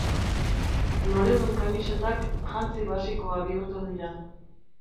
Loredun kamisetak jantzi basikoa bihurtu dira.